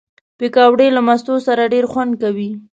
پکورې له مستو سره ډېر خوند کوي